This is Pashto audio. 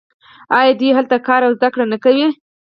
آیا دوی هلته کار او زده کړه نه کوي؟